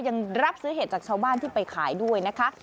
ยังรับซื้อเห็ดจากชาวบ้านที่ไปขายด้วยนะคะ